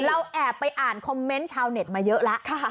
เราแอบไปอ่านคอมเมนต์ชาวเน็ตมาเยอะแล้ว